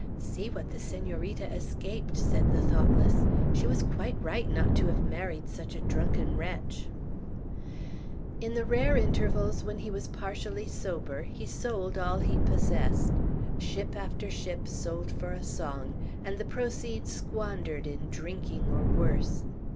"See what the Senorita escaped!" said the thoughtless. "She was quite right not to have married such a drunken wretch." In the rare intervals when he was partially sober, he sold all he possessed, ship after ship sold for a song, and the proceeds squandered in drinking or worse.